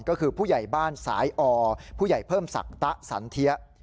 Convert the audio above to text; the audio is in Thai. ก็คือผู้ใหญ่บ้านสายอผู้ใหญ่เพิ่มศักดิ์ตะสันเทีย